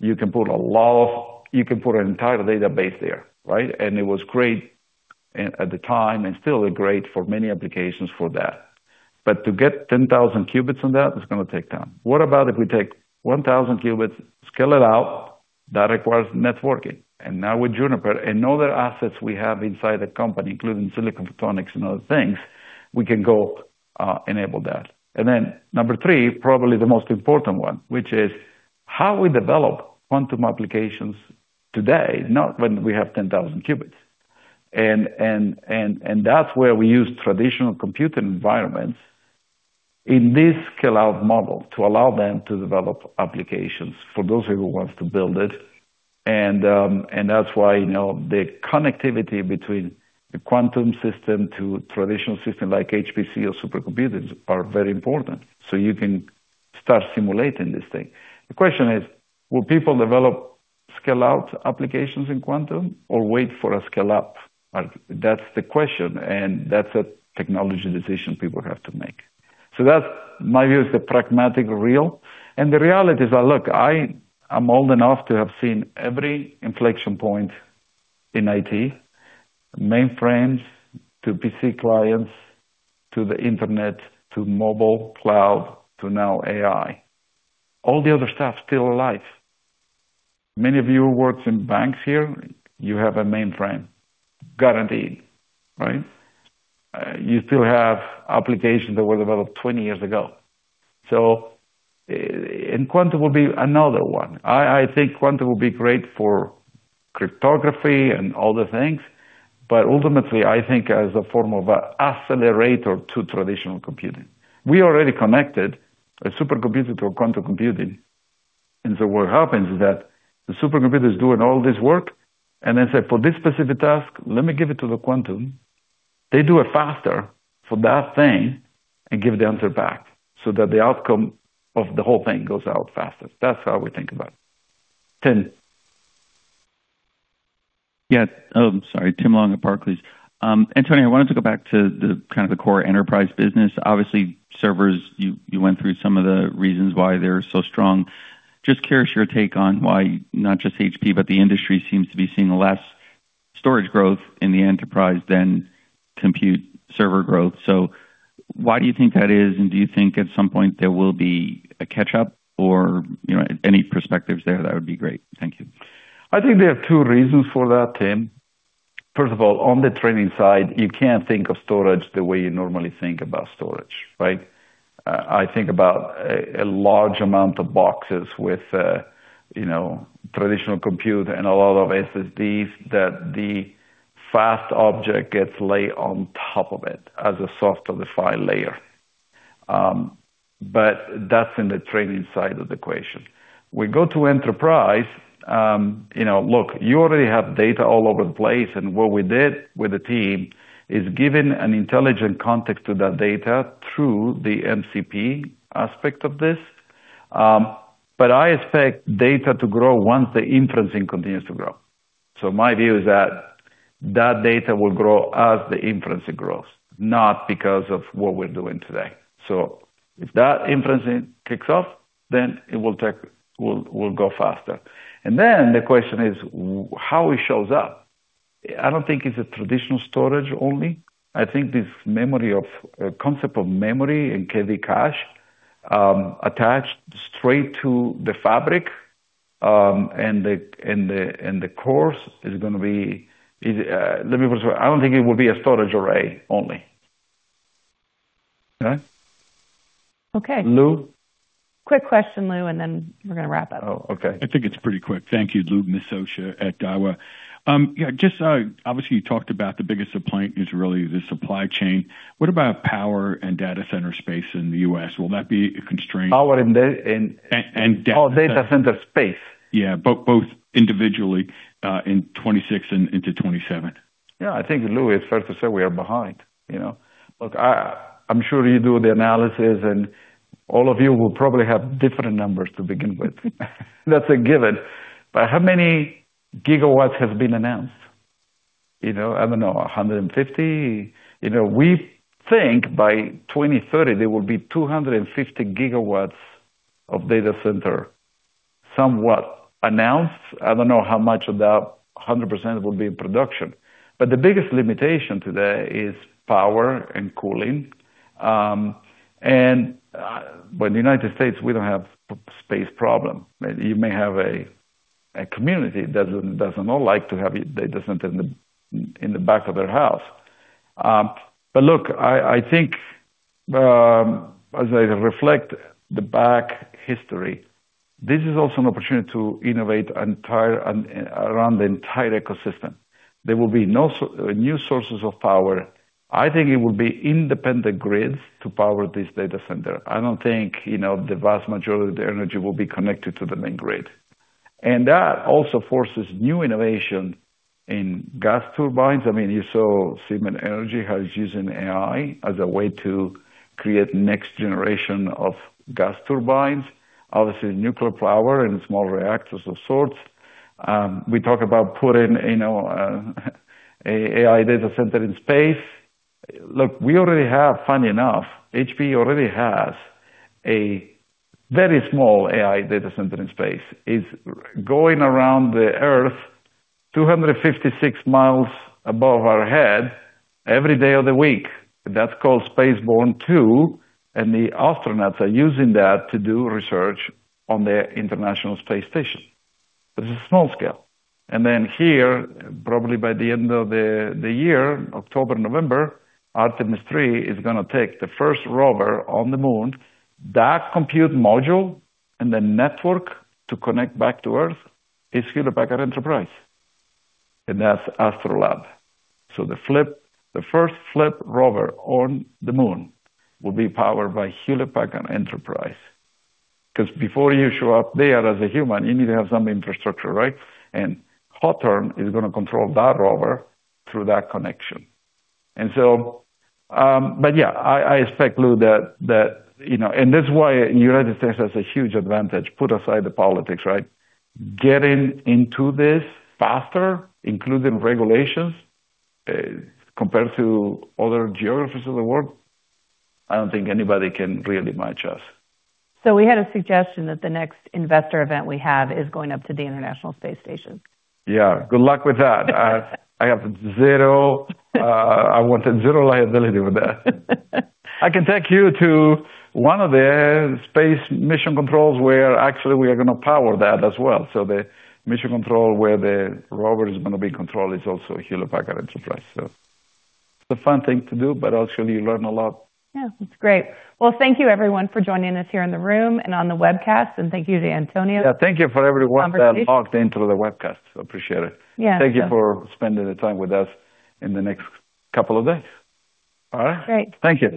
S3: You can put an entire database there. It was great at the time, and still is great for many applications for that. To get 10,000 qubits on that, it's going to take time. What about if we take 1,000 qubits, scale it out? That requires networking. Now with Juniper and other assets we have inside the company, including silicon photonics and other things, we can go enable that. Number three, probably the most important one, which is how we develop quantum applications today, not when we have 10,000 qubits. That's where we use traditional computing environments in this scale-out model to allow them to develop applications for those who wants to build it. That's why the connectivity between the quantum system to traditional system like HPC or supercomputers are very important, so you can start simulating this thing. The question is. Will people develop scale-out applications in quantum or wait for a scale-up? That's the question, and that's a technology decision people have to make. That's my view is the pragmatic real. The reality is that, look, I am old enough to have seen every inflection point in IT, mainframes to PC clients, to the internet, to mobile, cloud, to now AI. All the other stuff still alive. Many of you who works in banks here, you have a mainframe guaranteed. You still have applications that were developed 20 years ago. Quantum will be another one. I think quantum will be great for cryptography and other things, but ultimately, I think as a form of a accelerator to traditional computing. We already connected a supercomputer to a quantum computer. What happens is that the supercomputer is doing all this work, and then, say, for this specific task, let me give it to the quantum. They do it faster for that thing and give the answer back so that the outcome of the whole thing goes out faster. That's how we think about it. Tim.
S5: Yeah. Sorry. Tim Long at Barclays. Antonio, I wanted to go back to the core enterprise business. Obviously, servers, you went through some of the reasons why they're so strong. Just curious your take on why not just HPE, but the industry seems to be seeing less storage growth in the enterprise than compute server growth. Why do you think that is, and do you think at some point there will be a catch-up or any perspectives there? That would be great. Thank you.
S3: I think there are two reasons for that, Tim. First of all, on the training side, you can't think of storage the way you normally think about storage, right? I think about a large amount of boxes with traditional compute and a lot of SSDs that the fast object gets laid on top of it as a software-defined layer. That's in the training side of the equation. We go to enterprise, look, you already have data all over the place, and what we did with the team is given an intelligent context to that data through the MCP aspect of this. I expect data to grow once the inferencing continues to grow. My view is that that data will grow as the inferencing grows, not because of what we're doing today. If that inferencing kicks off, then it will go faster. The question is how it shows up. I don't think it's a traditional storage only. I think this concept of memory in KV cache, attached straight to the fabric. Let me put it this way, I don't think it will be a storage array only. Okay?
S2: Okay.
S3: Lou?
S2: Quick question, Lou. We're going to wrap it up.
S3: Okay.
S7: I think it's pretty quick. Thank you. Lou Miscioscia at Daiwa. Obviously, you talked about the biggest complaint is really the supply chain. What about power and data center space in the U.S.? Will that be a constraint?
S3: Power and da-
S7: And da-
S3: Data center space.
S7: Yeah, both individually, in 2026 and into 2027.
S3: Yeah. I think, Lou, it's fair to say we are behind. Look, I'm sure you do the analysis and all of you will probably have different numbers to begin with. That's a given. How many gigawatts have been announced? I don't know, 150? We think by 2030, there will be 250 GW of data center somewhat announced. I don't know how much of that 100% will be in production. The biggest limitation today is power and cooling. In the U.S., we don't have space problem. You may have a community that does not like to have a data center in the back of their house. Look, I think, as I reflect the back history, this is also an opportunity to innovate around the entire ecosystem. There will be new sources of power. I think it will be independent grids to power this data center. I don't think the vast majority of the energy will be connected to the main grid. That also forces new innovation in gas turbines. You saw Siemens Energy has used an AI as a way to create next generation of gas turbines, obviously nuclear power and small reactors of sorts. We talk about putting AI data center in space. Look, funny enough, HP already has a very small AI data center in space. It's going around the Earth 256 mi above our head every day of the week. That's called Spaceborne Computer-2, and the astronauts are using that to do research on the International Space Station. This is small scale. Then here, probably by the end of the year, October, November, Artemis III is going to take the first rover on the Moon. That compute module and the network to connect back to Earth is Hewlett Packard Enterprise. That's Astrolab. The first flip rover on the Moon will be powered by Hewlett Packard Enterprise. Because before you show up there as a human, you need to have some infrastructure, right? Astrolab is going to control that rover through that connection. Yeah, I expect, Lou, that This is why the U.S. has a huge advantage, put aside the politics. Getting into this faster, including regulations, compared to other geographies of the world, I don't think anybody can really match us.
S2: We had a suggestion that the next investor event we have is going up to the International Space Station.
S3: Yeah. Good luck with that. I want zero liability with that. I can take you to one of the space mission controls where actually we are going to power that as well. The mission control where the rover is going to be controlled is also Hewlett Packard Enterprise. It's a fun thing to do, but also you learn a lot.
S2: Yeah. That's great. Well, thank you everyone for joining us here in the room and on the webcast, and thank you to Antonio.
S3: Yeah. Thank you for everyone that logged into the webcast. I appreciate it.
S2: Yeah.
S3: Thank you for spending the time with us in the next couple of days. All right?
S2: Great.
S3: Thank you.